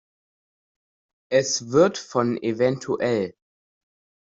Es wird von evtl.